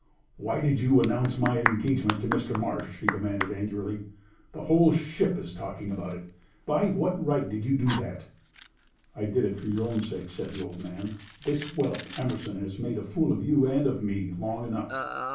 "Why did you announce my engagement to Mr. Marsh?" she demanded, angrily. "The whole ship is talking about it. By what right did you do that?" "I did it for your own sake," said the old man. "This whelp, Emerson, has made a fool of you and of me long enough.